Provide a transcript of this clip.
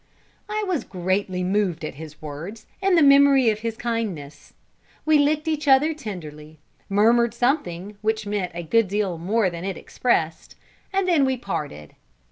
I was greatly moved at his words and the memory of his kindness. We licked each other tenderly murmured something, which meant a good deal more than it expressed and then we parted.